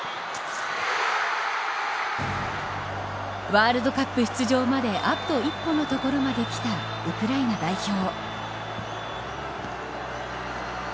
ワールドカップ出場まであと一歩のところまで来たウクライナ代表。